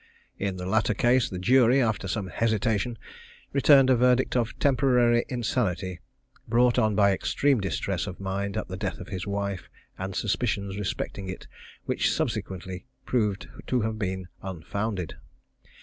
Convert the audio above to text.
In the latter case the jury, after some hesitation, returned a verdict of "Temporary insanity, brought on by extreme distress of mind at the death of his wife, and suspicions respecting it which subsequently proved to have been unfounded."